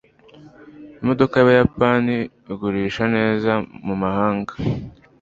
imodoka y'abayapani igurisha neza mumahanga